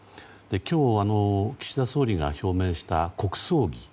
今日、岸田総理が表明した国葬儀。